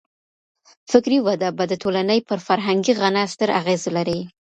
فکري وده به د ټولني پر فرهنګي غنا ستر اغېز ولري.